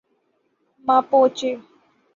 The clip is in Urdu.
ماپوچے